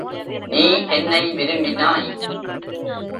நீ என்னை விரும்பினாய்.